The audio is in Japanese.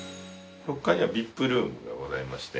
６階にはＶＩＰルームがございまして。